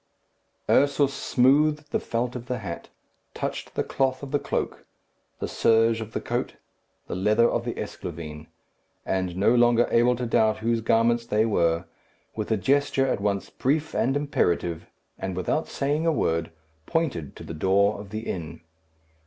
Ursus smoothed the felt of the hat, touched the cloth of the cloak, the serge of the coat, the leather of the esclavine, and no longer able to doubt whose garments they were, with a gesture at once brief and imperative, and without saying a word, pointed to the door of the inn.